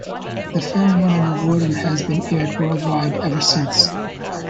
The film won an award and has been aired worldwide ever since.